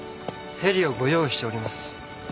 ヘリをご用意しております。